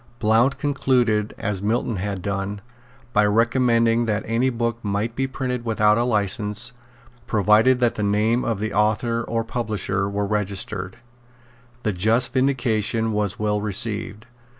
Blount concluded, as Milton had done, by recommending that any book might be printed without a license, provided that the name of the author or publisher were registered. The Just Vindication was well received.